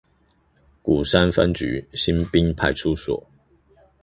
鼓山分局新濱派出所